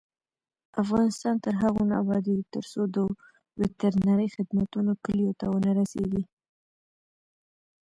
افغانستان تر هغو نه ابادیږي، ترڅو د وترنري خدمتونه کلیو ته ونه رسیږي.